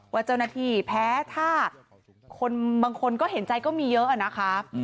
ว่าเจ้าหน้าที่แพ้ถ้าคนบางคนก็เห็นใจก็มีเยอะอะนะคะ